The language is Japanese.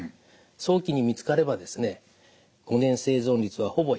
早期に見つかればですね５年生存率はほぼ１００％です。